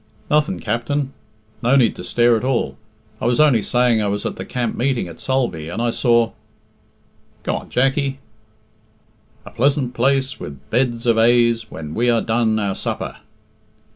"Nothing, Capt'n. No need to stare at all. I was only saying I was at the camp meeting at Sulby, and I saw " "Go on, Jackie." "A pleasant place, With beds of aise, When we are done our supper."